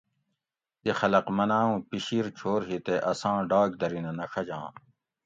دی خلق مناں اوں پِشیر چھور ہی تے اساں ڈاگ درینہ نہ ڛجاں